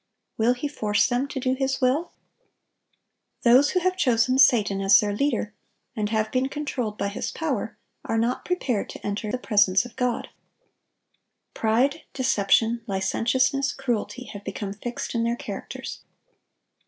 Will He force them to do His will? Those who have chosen Satan as their leader, and have been controlled by his power, are not prepared to enter the presence of God. Pride, deception, licentiousness, cruelty, have become fixed in their characters.